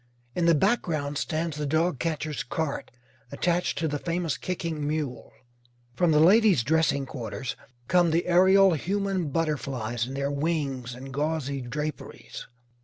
In the background stands the dogcatcher's cart, attached to the famous kicking mule. From the ladies' dressing quarters come the aerial human butterflies in their wings and gauzy draperies.